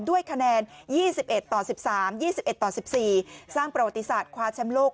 ด้วยคะแนน๒๑ต่อ๑๓๒๑ต่อ๑๔สร้างประวัติศาสตร์คว้าแชมป์โลก